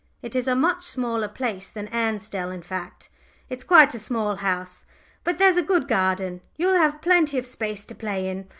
It is a much smaller place than Ansdell in fact, it's quite a small house. But there's a good garden; you will have plenty of space to play in.